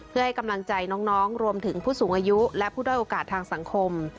เพื่อให้กำลังใจน้องรวมถึงผู้สูงอายุและผู้ด้อยโอกาสทางสังคม